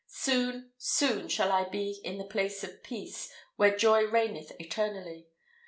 Soon, soon shall I be in the place of peace, where joy reigneth eternally.